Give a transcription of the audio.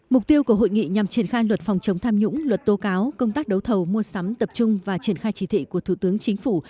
mục tiêu của hội nghị nhằm triển khai luật phòng chống tham nhũng luật tố cáo công tác đấu thầu mua sắm tập trung và triển khai chỉ thị của thủ tướng chính phủ